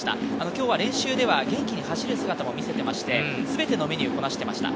今日は練習では元気に走る姿も見せていって、すべてのメニューをこなしていました。